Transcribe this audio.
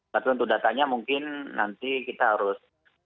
tapi untuk datanya mungkin nanti kita harus